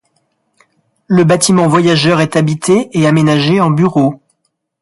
Le bâtiment voyageurs est habité et aménagé en bureaux.